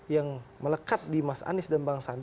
yang melekat di mas anies dan bang sandi